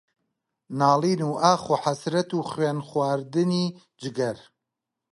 ناڵین و ئاخ و حەسرەت و خوێنخواردنی جگەر